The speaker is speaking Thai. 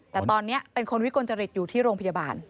แต่ตอนนี้เป็นคนวิกลจริตอยู่ที่โรงพยาบาล